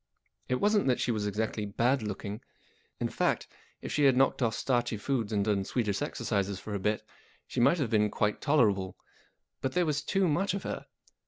It wasn't that she was exactly bad looking. In fact, if she had knocked off starchy foods and done Swedish 'exercises for a bit, she might have been quite tolerable. But there was too much of her.